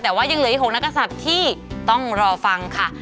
แต่ว่ายังเหลืออีก๖นักศัตริย์ที่ต้องรอฟังค่ะ